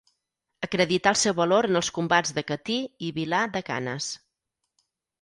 Acredità el seu valor en els combats de Catí i Vilar de Canes.